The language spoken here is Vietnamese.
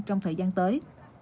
trong thời gian tới